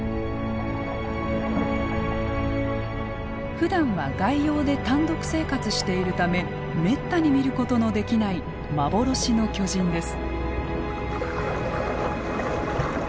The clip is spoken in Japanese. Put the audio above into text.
ふだんは外洋で単独生活しているためめったに見ることのできない幻の巨人です。